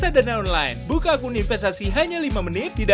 saya mau nyiapin kejutan buat keluarga saya buat reyna